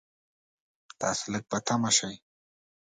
تاسو لږ په طمعه شئ.